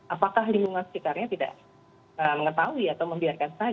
apakah lingkungan sekitarnya tidak mengetahui atau membiarkan